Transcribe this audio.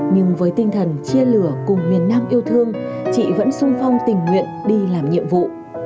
nhưng với tinh thần chia lửa cùng miền nam yêu thương chị vẫn sung phong tình nguyện đi làm nhiệm vụ